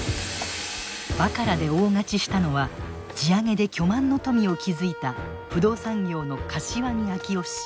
バカラで大勝ちしたのは地上げで巨万の富を築いた不動産業の柏木昭男氏。